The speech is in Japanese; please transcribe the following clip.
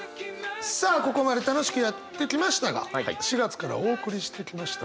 さあここまで楽しくやってきましたが４月からお送りしてきました